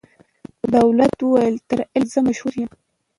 دولت وویل تر علم زه مشهور یم